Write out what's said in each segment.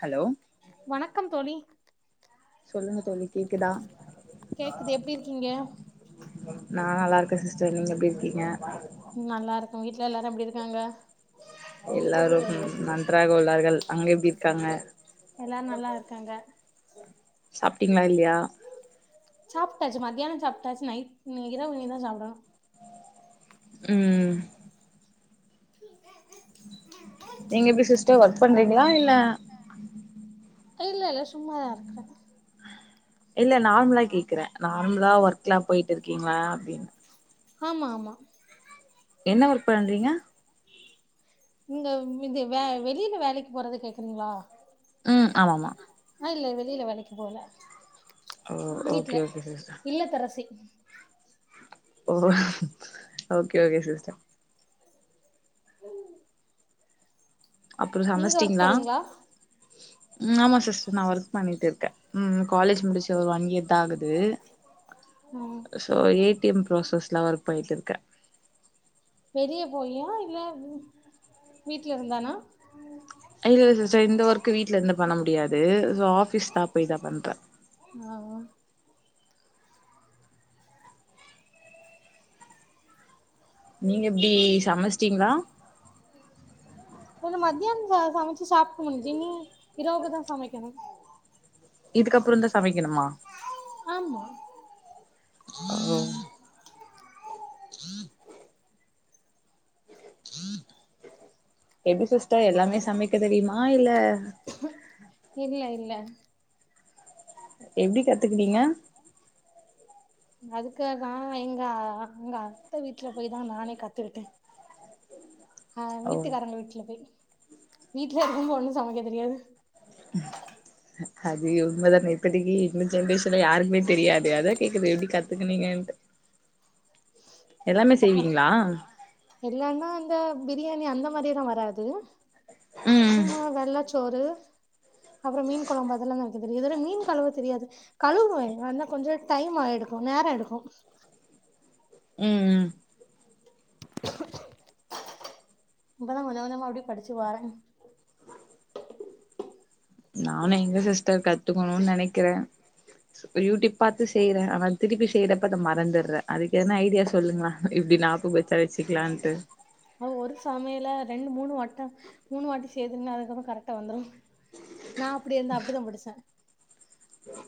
hello வணக்கம் தோழி சொல்லுங்க தோழி கேக்குதா கேக்குது எப்டி இருக்கீங்க நா நல்லா இருக்கே சிஸ்டர் நீங்க எப்டி இருக்கீங்க ம் நல்லா இருக்கோ வீட்ல எல்லாரு எப்டி இருக்காங்க எல்லாரும் நன்றாக உள்ளார்கள் அங்க எப்டி இருக்காங்க எல்லார் நல்லா இருக்காங்க சாப்ட்டீங்ளா இல்லியா சாப்ட்டாச்சு மத்தியானோ சாப்ட்டாச்சு நைட்னு இரவு இதா சாப்டணு ம் நீங்க எப்டி சிஸ்டர் ஒர்க் பண்றீங்ளா இ இல்ல இல்ல சும்மாதா இருக்ற இல்ல நார்மலா கேக்குறே நார்மலா ஒர்க்லா போய்ட்டுருக்கீங்ளா அப்டினு ஆமா ஆமா என்ன ஒர்க் பண்றீங்க நீங்க இது வே வெளியில வேலைக்கு போறத கேக்குறீங்ளா ம் ஆமாமா ஆ இல்ல வெளியில வேலைக்கு போல ஓ வீட்ல ஓகே ஓகே சிஸ்டர் இல்லத்தரசி ஓ ஓகே ஓகே சிஸ்டர் ம்ம் அப்றோ நீங்க ஒர்க் சமச்சிட்டீங்களா போறீங்ளா ம் ஆமா சிஸ்டர் நா ஒர்க் பண்ணிட்டு இருக்கே ம் காலேஜ் முடிச்சு ஒரு ஒன் இயர்தா ஆகுது ம் தோ ஒரு ஏ டி எம் ப்ராசஸ்லா ஒர்க் பண்ணிட்டுருக்கே வெளிய போயியா இல்ல வீட்ல இருந்தானா இல்ல சிஸ்டர் இந்த ஒர்க்கு வீட்ல இருந்து பண்ண முடியாது சோ ஆஃபிஸ் தா போய்தா பண்றே ஆ உ நீங்க எப்டி சமஸ்டீங்ளா கொஞ்சோ மத்தியான்தா சமச்சி சாப்புண்ணு ஜெனி இரவுக்குதா சமைக்கணு இதுக்கப்புறந்தா சமைக்கணுமா ஆமா ஓ எப்டி சிஸ்டர் எல்லாமே சமைக்க தெரியுமா இல்ல இல்ல இல்ல எப்டி கத்துக்கிட்டீங்க அதுக்காகதா எங்க அங்க அத்த வீட்ல போய் தா நானே கத்துக்கிட்டே ஆ ஓ வீட்டுக்காரங்க வீட்ல போய் வீட்ல இருக்கு போ ஒன்னோ சமைக்க தெரியாது அது உண்ம தான இப்போதைக்கி இந்த ஜென்ரேஷ ன்ல யாருக்குமே தெரியாது அதா கேக்குது எப்டி கத்துக்கனீங்கன்ட்டு எல்லாமே செய்வீங்களா எல்லான்னா இந்த பிரியாணி அந்த மாரிலா வராது ம் சும்மா வெள்ளச்சோறு அப்புறோ மீன் கொழம்பு அதல்லா நா வெக்க தெரியு இதோட மீன் கழுவ தெரியாது கலுவுவ ஆனா கொஞ்சோ டைம் ஆய்டுக்கோ நேரோ எடுக்கோ ம் ம் இப்பதா கொஞ்ச கொஞ்சமா அப்டியே படிச்சு வாறே நானு எங்க சிஸ்டர் கத்துக்கனோனு நெனைக்குற சு யூ டியூப் பாத்து செய்ற ஆனா திருப்பி செய்றப்ப அத மறந்துட்ற அதுக்கு என்ன ஐடியா சொல்லுங்ள இப்டி நாப்பு த்துல வெச்சிக்கலான்ட்டு அ ஒரு சமையல ரெண்டு மூணு வாட்டம் மூணு வாட்டி சேய்தீங்ன்னா அதுக்கப்புறோ கரெக்டா வந்துரோ நா அப்டி இருந்தா அப்டிதா படிச்ச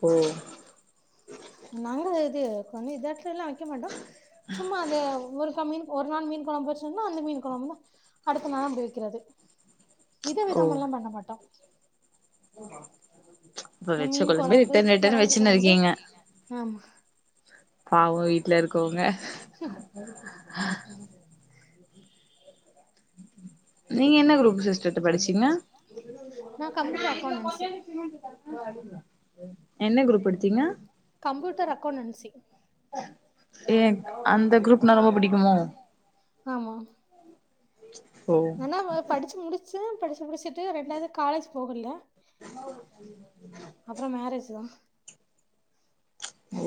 ஓ நாங்க இது கொஞ்சோ இதாட்டோலா வெக்க மாட்டோ சும்மா அந்த ஒரு கா மீன் ஒரு நாள் மீன் கொழம்பு வெச்சோன்னா அந்த மீன் கொழம்பு தா அடுத்த நாளு அப்டி வெக்குறது வித விதமல்லா பண்ண மாட்டோ பூ மா மீன் கொலம்பு கெலங்கு வெச்சுன்னு கொழம்பு இருக்கீங்க ஆமா பாவோ வீட்ல இருக்கவுங்க நீங்க என்ன குரூப் சிஸ்டடுத்து படிச்சீங்க நா கம்ப்பூட்ரு அக்கவுண்டன்ஸி அ அடிங்க என்ன குரூப் எடுத்தீங்க கம்பூட்டர் அக்கவுண்டன்சி ஏங் அந்த குரூப்னா ரொம்ப புடிக்குமோ ஆமா ஓ நல்ல வேல படிச்சு முடிச்சு படிச்சு முடிச்சுட்டு ரெண்டாவ்து காலேஜ் போகல்ல அப்புறோ மேரஜ் தா ஓ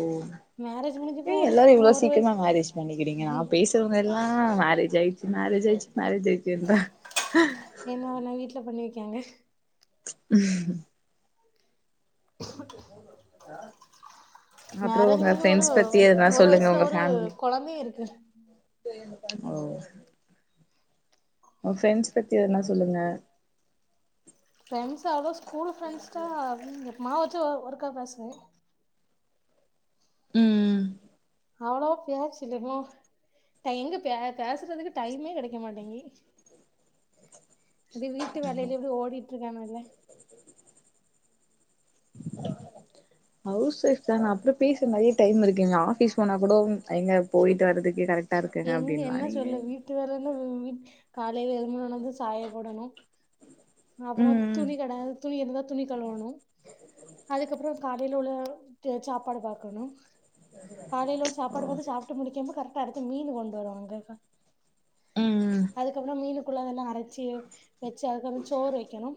மேரேஜ் முடிஞ்சு ஏ இப்போ ஒரு எல்லாரு இவ்ளோ ஒரு சீக்கிரமா வயசு மேரேஜ் பண்ணிக்கிறீங்க நா ம் பேசுறவங்க எல்லா ஆ மேரேஜ் ஆயிச்சு மேரேஜ் ஆயிச்சு மேரேஜ் ஆயிச்சுன்றா ஏன்னா உன்ன வீட்ல பண்ணி வெக்கியாங்க டாஸ்க் அப்புறோ மேரேஜ் உங்க முடிஞ்சு ஒரு ஃப்ரெண்ட்ஸ் பத்தி எதனா ஒரு சொல்லுங்க வயசுல உங்க ஒரு ஃபேமிலி கொழந்தையு இருக்கு ஓ உ ஃப்ரெண்ட்ஸ் பத்தி எதுனா சொல்லுங்க ஃப்ரெண்ட்ஸ் அவ்ளோ ஸ்கூலு ஃப்ரெண்ட்ஸ்ட்டா எப் மாவாச்சு ஒ ஒருக்கா பேசுவ ம் டை எங்க பே பேசுறதுக்கு டைமே கெடைக்க மாட்டேங்கி அது வீட்டு வேலைல அப்டி ஓடிட்டு இருக்கனல்லே ஹவுஸ் ஒய்ஃப் தான அப்ற பேச நெறைய டைம் இருக்குங்க ஆஃபீஸ் போனா கூட எங்க போயிட்டு வரதுக்கு கரெக்டா இருக்குங்க எங்க அப்டின்வா என்ன நீங்க சொல்ல வீட்டு வேலன்ன எப் காலைல எழும்பனதுலந்து சாய போடணு அப்றம் துணி கட துணி இருந்தா துணி கலுவணும் அதுக்கப்றம் காலையிலுள்ள சாப்பாடு பாக்கணும் காலைல உள்ள சாப்பாடு ஓ பாத்து சாப்ட்டு முடிக்கம்ப கரெ அடுத்து மீனு கொண்டு வருவாங்க கா ம் அதுக்கப்றம் மீனு குள்ளதல்லா அரச்சி வச்ச அதுக்கு வந்து சோறு வெக்கணு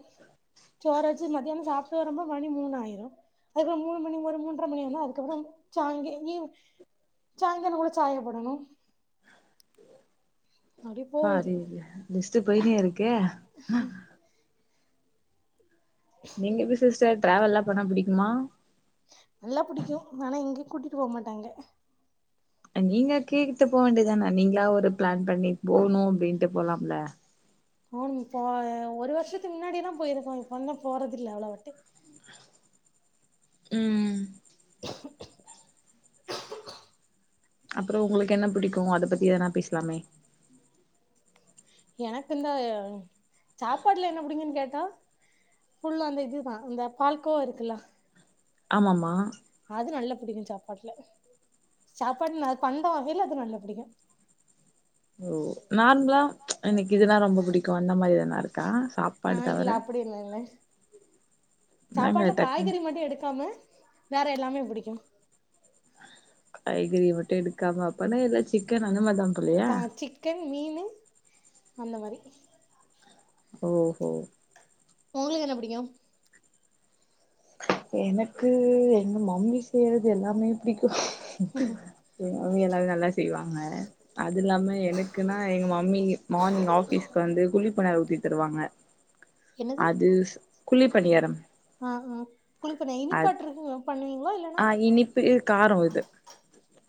சோறச்சு மத்யான சாப்ட்டு வரம்போ மணி மூணாயிரும் அதுக்கப்றம் மூணு மணி ஒரு மூன்ற மணி ஆனா அதுக்கப்றம் சாய்ங்கங்க சாய்ங்கால கூட சாயப்போடணும் அப்டி போகுது பாதில லிஸ்ட்டு போய்னே இருக்கே ம் நீங்க எப்டி சிஸ்டர் டிராவல்லாம் பண்ண புடிக்குமா நல்லா புடிக்கும் ஆனாலு எங்கய கூட்டிட்டு போமாட்டாங்க அ நீங்க கேட்டு போவேண்டியதானா நீங்களா ஒரு பிளான் பண்ணி போணும் அப்டின்ட்டு போலாம்ல அன் போய ஒரு வருஷத்துக்கு முன்னாடில்லா போயிருக்ககோ இப்பல்லாம் போறதில்ல அவ்ளவாட்டி ம் [inaudible] அப்றோ உங்களுக்கு என்ன பிடிக்கும் அத பத்தி ஏதனா பேசலாமே எனக்கு இல்ல இந்த சாப்பாட்டல என்ன புடிகன்னு கேட்டா ஃபுல் அந்த இதுதா இந்த பால்கோவா இருக்குல்ல ஆமாமா அது நல்ல புடிக்கும் சாப்பாட்டுல சாப்பாடு நா அது பண்ட வகைல அது நல்ல புடிக்கும் ஓ நார்மலா எனக்கு இதனா ரொம்ப புடிக்கும் அந்த மாரி எதனா இருக்கா சாப்ப ஆ இல்ல அப்டி என்ன இல்ல என்னங்க சாப்பாடுல டக்கு காய்கறி மட்டு எடுக்காம வேற எல்லாமே புடிக்கும் காய்கறி மட்டும் எடுக்காம அப்பனா ஏதா சிக்கன் அந்தமாரி எதும் போலயா தா சிக்கன் மீன் அந்த மாரி ஓஹோ உங்களுக்கு என்ன புடிக்கும் எனக்கு எங்க மம்மி செய்யறது எல்லாமே புடிக்கும் எங்க மம்மி எல்லாமே நல்லா செய்வாங்க அது இல்லாம எனக்குன்னா எங்க மம்மி மானிங் ஆபீஸ்க்கு வந்து குழிப்பபணியாரம் ஊத்தி தருவாங்க என்னது அது குழிப்பணியாரம் ஆ ஆ குழிப்பபணியா இனிப்பாட்டு இருக்கு பண்ணுவீங்களா இல்லனா ஆ இனிப்பு காரோ இது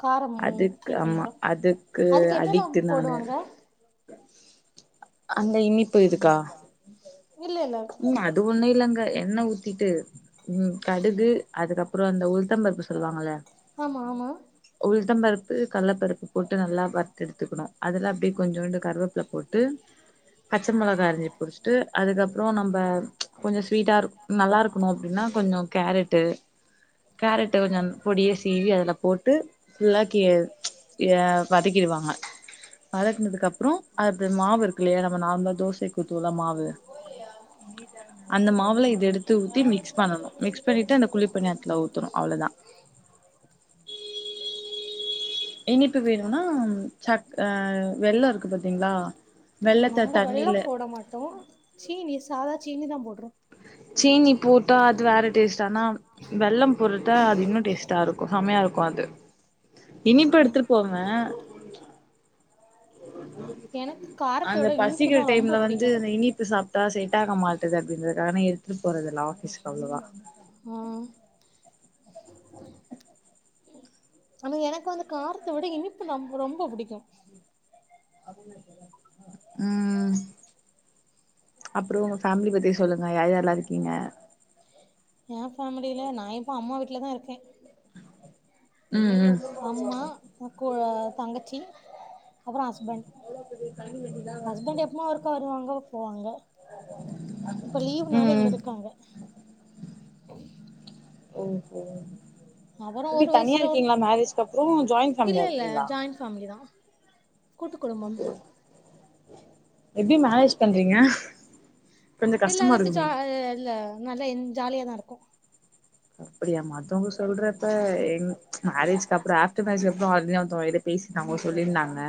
காரமும் அதுக்கு ஆமா குழிப்பணியாரம் அதுக்கு என்னெல்லாம் அடிக்ட்டு நானு போடுவாங்க அந்த இனிப்பு இருதுக்கா இல்ல இல்ல இது ஒன்னு இல்லங்க எண்ண ஊத்திட்டு ம் கடுகு அதுக்கப்றம் அந்த உளுதம்பருப்பு சொல்வாங்ல்ல ஆமா ஆமா உளுதம் பருப்பு கள்ள பருப்பு போட்டு நல்லா வறுத்து எடுத்துக்கணு அதுல அப்டியே கொஞ்சுண்டு கருவேப்பல போட்டு பச்சை மெளகா அரைஞ்சி புச்சிட்டு அதுக்கப்றம் நம்ம கொஞ்ச ஸ்வீட்டா இரு நல்லா இருக்கணும் அப்டின்னா கொஞ்ச கேரட்டு கேரட்டு கொஞ்சொம் பொடிய சீவி அதுல போட்டு ஃபுல்லாக்கி யா வதக்கிருவாங்க வதக்குனதுக்கப்புறோ அது அப்டி மாவு இருக்குல்லையா நம்ம நார்மலா தோசைக் ஊத்துவோல்ல மாவு [unintelligible] அந்த மாவுல இத எடுத்து ஊத்தி மிக்ஸ் பண்ணணு மிக்ஸ் பண்ணிட்டு அந்த குளி பணியாரத்துல ஊத்தணு அவ்ளோதா இனிப்பு வேணும்னா சக் அ வெல்லோ இருக்கு பாத் நாங்க வெல்லம் போட மாட்டோ சீனி சாதா சீனிதா போடுறோ சீனி போட்டா அது வேற டேஸ்ட் ஆனா வெல்லம் போருட்டா அது இன்னு டேஸ்டாருக்கு செமையா இருக்கு அது இனிப்பு ம் எடுத்துட்டு போவ்ங்க எனக்கு அந்த காரத்தோட இனிப்பு பசிக்கிற தா ரொம்ப டைம்ல வந்து புடிக்கு அந்த இனிப்பு சாப் ட்டா செட் ஆகமாட்டுது அப்டின்றதுக்காக நா எடுத்துட்டு போறதுல்ல ஆஃபிஸ்க்கு அவ்ளவா ஓ ஆனா எனக்கு வந்து காரத்த விட இனிப்பு நம் ரொம்ப புடிக்கு ம் அப்றோ ஒங்க ஃபேமிலி பத்தி சொல்லுங்க யார்யார்லா இருக்கீங்க எ ஃபேமிலில நா இப்போ அம்மா வீட்லதா இருக்கே ம் ம் அம்மா எ கூழ தங்கச்சி அப்பறோ ஹஸ்பண்ட் ஹஸ்பண்ட் எப்பமா ஒருக்கா வருவாங்க போவாங்க இப்போ லீவ்னால இங்க ம் ம் இருக்காங்க ம் ம் அவரு எப்டி ஒரு தனியா வயசுல ஒரு இருக்கீங்களா மேரேஜ்க்கு அப்றோ ஜாயிண்ட் ஃபேமிலியா இருக்கீங்ளா ஃபேமிலிதா கூட்டுக் குடும்பம் எப்டி மேரேஜ் பண்றீங்க கொஞ்சோ இல்ல கஷ்டமா அது எனக் சா இருக்குமே இல்ல நல்லா இன் ஜாலியாதா இருக்கு அப்டியா மத்தவங்க சொல்றப்ப யங் மேரேஜ்க்கப்பறோ ஆஃப்டர் மேரேஜ்க்கப் றோ அதுதா ஒருத்தோங்க என்ட்ட பேசினவங்க அவங்க சொல்லிருந்தாங்க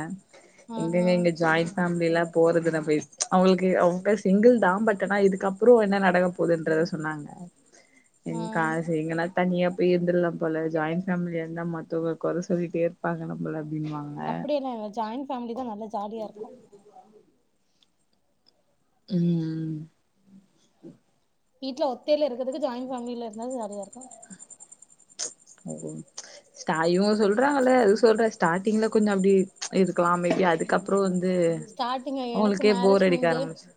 ஆ ஆ எங்கேங்க இங்க ஜாயின்ட் ஃபேமிலில போறதுன்ன போய் அவங்களுக்கு அவுங்க சிங்கிள்தா பட் ஆனா இதுக்கப் புறோ என்ன நடக்க போகுதுன்றத சொன்னாங்க ம் எங்கனா தனியா போய் இருந்தர்லா போல ஜாயிண்ட் ஃபேமிலியா இருந்தா மத்தவங்க கொற சொல்லிட்டே இருப்பாங்க நம்மள அப்படின்னுவாங்க அப்படியெல்லா இல்ல ஜாயிண்ட் ஃபேமிலிதா நல்ல ஜாலியா இருக்கு ம் ம் வீட்ல ஒத்தையில இருக்கறதுக்கு ஜாயின்ட் ஃபேமிலில இருந்தாதா ஜாலியா இருக்கு [inaudible] ஸ்டா இவங்க சொல்றாங்கல்ல அது சொல்றே ஸ்டார்டிங்ல கொஞ்சோ அப்டி இருக்கலா அமைதியா அதுக்கப்பறோ வந்து ஸ்டார்டிங் எனக்கு அவங்களுக்கே மேரேஜ் போர் அடிக்க முடிஞ்சு ஆரம்பிச்சுரு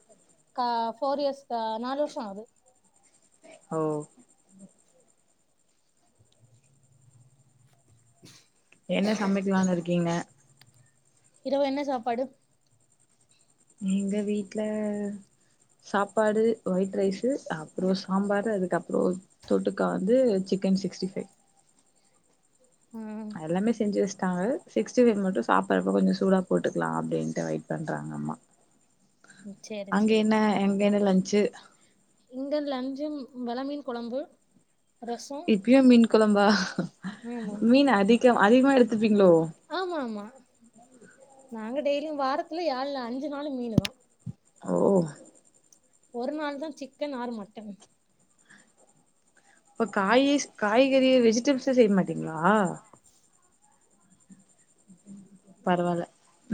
கா ஃபோர் இயர்ஸ்கா நாலு வருஷோ ஆவுது ஓ என்ன சமைக்கலான்னு இருக்கீங்க இரவு என்ன சாப்பாடு எங்க வீட்டுல சாப்பாடு ஒயிட் ரைஸு அப்பறோ சாம்பாரு அதுக்கப்றோ தொட்டுக்க வந்து சிக்கன் சிக்ஸ்டி ஃபைவ் ம் அதெல்லாமே செஞ்சு வச்சுட்டாங்கள் சிக்ஸ்டி ஃபைவ் மட்டு சாப்படுறப்போ கொஞ்சோ சூடா போட்டுக்கலா அப்பிடின்ட்டு வெயிட் பண்றாங்க அம்மா சேரி அங்கே சேரி என்ன எங்கே என்ன லன்ச்சு இங்க லஞ்சம் வெலமீன் கொழம்பு ரசோ இப்பயு மீன் கொழம்பா ஆமா மீன் அதிகம் அதிகமா எடுத்துப்பீங்களோ ஆமா ஆமா நாங்க டெய்லியு வாரத்துல ஏழ் அஞ்சு நாளு மீனு தா ஓ ஒரு நாள் தான் சிக்கன் ஆர் மட்டன் அப்ப காயிஸ் காய்கறி வெஜிடபிள்ஸே செய்ய மாட்டீங்களா பரவால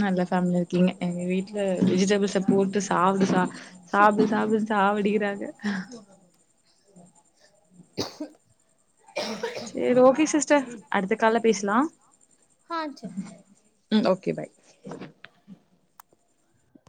நல்ல ஃபேமிலி இங்க எங்க ஆ வீட்டுல வெஜிடபிள்ஸ போட்டு சாப்புடு சா சாப்புடு சாப்டுன்னு சாவடிக்கிறாங்க ம் செரி ஓகே சிஸ்டர் அடுத்த கால்ல பேசலா ஆஹ் செ ம் ஓகே பாய்